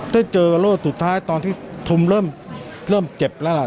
ได้เจอรอบสุดท้ายตอนที่ทุมเริ่มเจ็บแล้วล่ะ